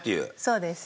そうです。